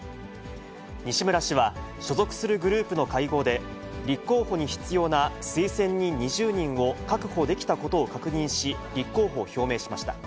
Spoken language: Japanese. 西村氏は、所属するグループの会合で、立候補に必要な推薦人２０人を確保できたことを確認し、立候補を表明しました。